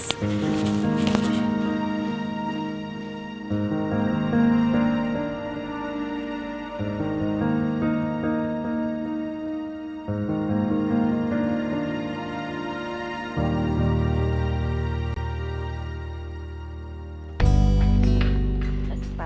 terima kasih pak